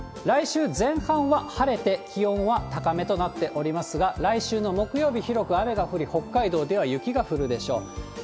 来週前半は晴れて気温は高めとなっておりますが、来週の木曜日、広く雨が降り、北海道では雪が降るでしょう。